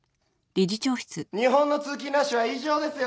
日本の通勤ラッシュは異常ですよ